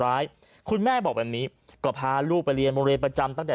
คุณแม่บอกแบบนี้ก็พาลูกไปเรียนโรงเรียนประจำตั้งแต่